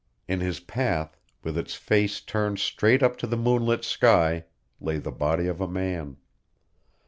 In his path, with its face turned straight up to the moonlit sky, lay the body of a man.